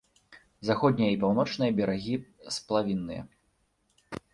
Заходнія і паўночныя берагі сплавінныя.